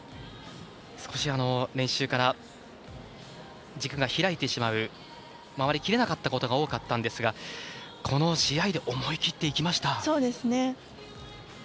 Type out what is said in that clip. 少し練習から軸が開いてしまう回りきれなかったことが多かったんですがこの試合で思い切っていきました。